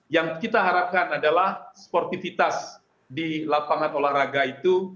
yang kita harapkan adalah sportivitas di lapangan olahraga itu